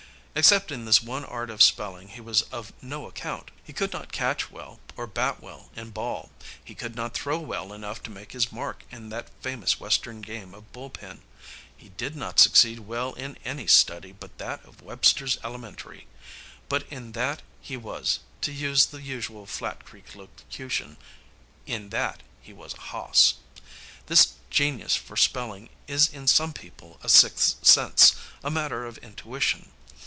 Except in this one art of spelling he was of no account. He could not catch well or bat well in ball. He could not throw well enough to make his mark in that famous Western game of bull pen. He did not succeed well in any study but that of Webster's Elementary. But in that he was to use the usual Flat Creek locution in that he was "a hoss." This genius for spelling is in some people a sixth sense, a matter of intuition.